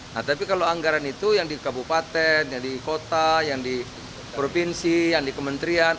nah tapi kalau anggaran itu yang di kabupaten yang di kota yang di provinsi yang di kementerian